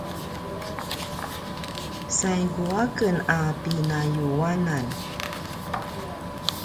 saigu a ken a pinayuanan